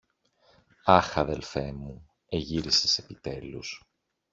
Αχ, αδελφέ μου, εγύρισες επιτέλους!